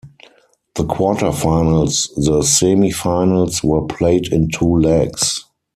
The quarterfinals, the semifinals were played in two legs.